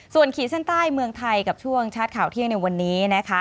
ส่วนขีดเส้นใต้เมืองไทยกับช่วงชัดข่าวเที่ยงในวันนี้นะคะ